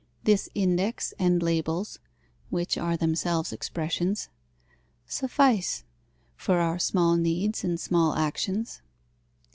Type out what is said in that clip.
This index and labels (which are themselves expressions) suffice for our small needs and small actions.